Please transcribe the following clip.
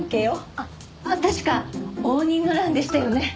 あっ確か応仁の乱でしたよね。